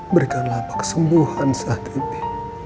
berikanlah kesembuhan saat ini